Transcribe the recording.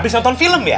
abis nonton film ya